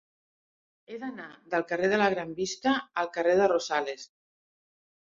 He d'anar del carrer de la Gran Vista al carrer de Rosales.